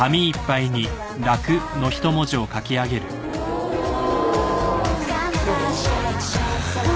おお！